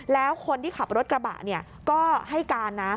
แล้วคนที่ขับรถกระบะก็ให้การนะ